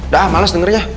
dah males dengernya